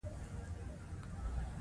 کلیسا پراخې ځمکې یې په واک کې لرلې.